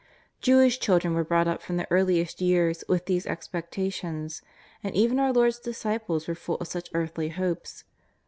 Jewish children were brought up from their earliest years with these expecta tions, and even our Lord's disciples were full of such earthly hopes.